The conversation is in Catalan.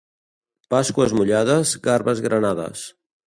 Pasqües mullades, garbes granades.